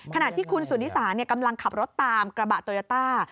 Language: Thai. ขณะที่คุณสุนิสากำลังขับรถตามกระบะโตโยต้า